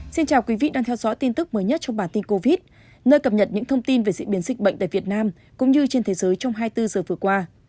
xin chào quý vị đang theo dõi tin tức mới nhất trong bản tin covid nơi cập nhật những thông tin về diễn biến dịch bệnh tại việt nam cũng như trên thế giới trong hai mươi bốn giờ vừa qua